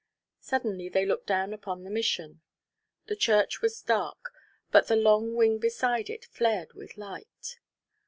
Suddenly they looked down upon the Mission. The church was dark, but the long wing beside it flared with light.